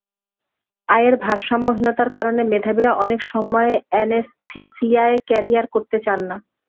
আয়ের ভারসাম্যহীনতার কারণে মেধাবীরা অনেক সময় অ্যানেসথেসিয়ায় ক্যারিয়ার করতে চান না।